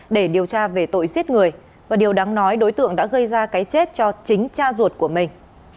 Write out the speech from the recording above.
để điều tra về tội giết người và điều đáng nói đối tượng đã gây ra cái chết cho chính cha ruột của mình